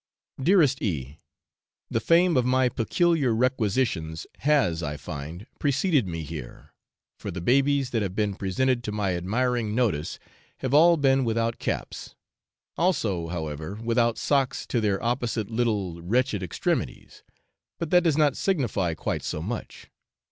Dearest E . The fame of my peculiar requisitions has, I find, preceded me here, for the babies that have been presented to my admiring notice have all been without caps; also, however, without socks to their opposite little wretched extremities, but that does not signify quite so much.